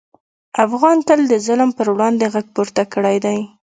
افغان تل د ظلم پر وړاندې غږ پورته کړی دی.